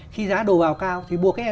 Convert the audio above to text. khi giá đồ vào cao thì buộc cái em